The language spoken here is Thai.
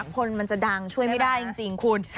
คนมันจะดังช่วยไม่ได้จริงคุณ